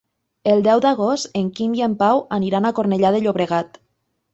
El deu d'agost en Quim i en Pau aniran a Cornellà de Llobregat.